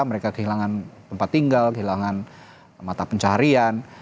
mereka kehilangan tempat tinggal kehilangan mata pencarian